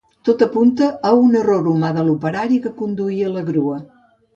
Tot apunta a un error humà de l'operari que conduïa la grua.